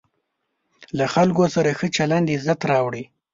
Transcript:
له خلکو سره ښه چلند عزت راوړي.